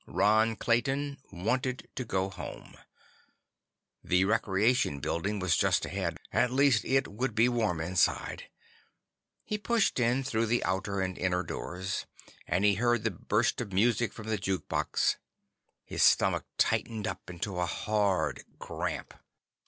Ron Clayton wanted to go home. The Recreation Building was just ahead; at least it would be warm inside. He pushed in through the outer and inner doors, and he heard the burst of music from the jukebox. His stomach tightened up into a hard cramp.